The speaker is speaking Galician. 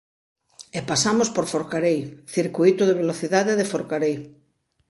E pasamos por Forcarei, circuíto de velocidade de Forcarei.